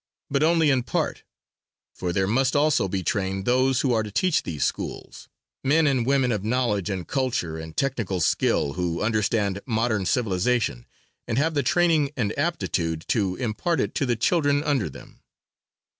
But only in part, for there must also be trained those who are to teach these schools men and women of knowledge and culture and technical skill who understand modern civilization, and have the training and aptitude to impart it to the children under them.